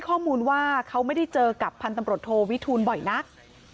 ข้อมูลว่าเขาไม่ได้เจอกับพันธุ์ตำรวจโทวิทูลบ่อยนัก